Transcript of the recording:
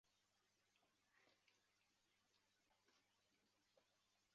锦水河站为地下二层岛式站台车站。